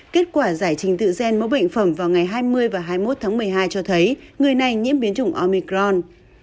kết quả giải trình tự gen mẫu bệnh phẩm vào ngày hai mươi và hai mươi một tháng một mươi hai cho thấy người này nhiễm biến chủng omicron